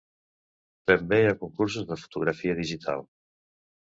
També hi ha concursos de fotografia digital.